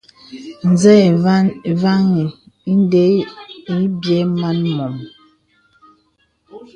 Nzə̄ ǐ vaŋì inde ǐ byɛ̌ man mom.